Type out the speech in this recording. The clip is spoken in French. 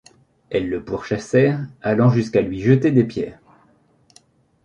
Elles le pourchassèrent, allant jusqu'à lui jeter des pierres.